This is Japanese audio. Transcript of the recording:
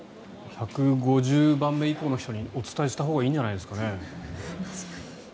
１５０番目以降の人にお伝えしたほうがいいんじゃないですかね。